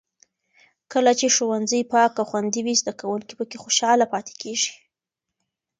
کله چې ښوونځي پاک او خوندي وي، زده کوونکي پکې خوشحاله پاتې کېږي.